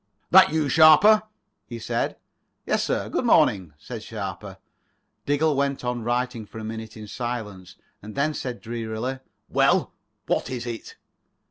"That you, Sharper?" he said. "Yes, sir. Good morning," said Sharper. Diggle went on writing for a minute in silence, and then said drearily: "Well, what is it?"